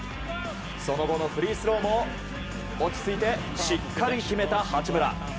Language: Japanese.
その後のフリースローも落ち着いて、しっかり決めた八村。